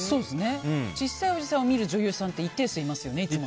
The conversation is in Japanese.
小さいおじさんを見る女優さんって一定数いますよね。